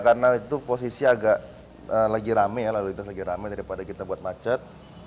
karena itu posisi agak lagi rame ya lalu lintas lagi rame daripada kita buat macet